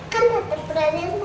kamu berani bu